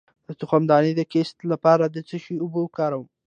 د تخمدان د کیست لپاره د څه شي اوبه وکاروم؟